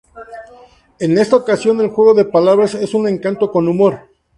En esta ocasión, el juego de palabras es "Un Encanto Con Humor".